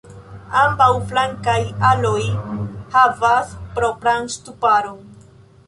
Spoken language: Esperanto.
Ambaŭ flankaj aloj havas propran ŝtuparon.